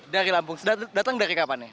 dari lampung sudah datang dari kapan nih